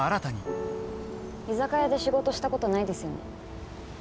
居酒屋で仕事した事ないですよね？